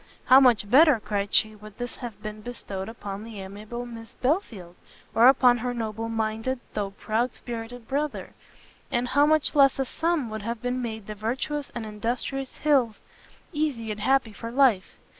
"How much better," cried she, "would this have been bestowed upon the amiable Miss Belfield! or upon her noble minded, though proud spirited brother! and how much less a sum would have made the virtuous and industrious Hills easy and happy for life!